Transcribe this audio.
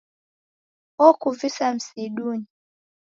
Okuvisa msidunyi